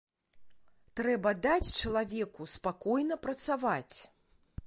Трэба даць чалавеку спакойна працаваць.